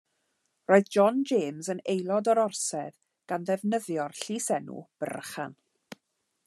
Roedd John James yn aelod o'r orsedd gan ddefnyddio'r llysenw Brychan.